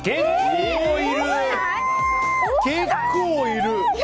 結構いる！